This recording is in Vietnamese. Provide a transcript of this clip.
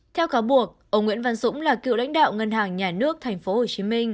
theo cáo buộc ông nguyễn văn dũng là cựu lãnh đạo ngân hàng nhà nước tp hcm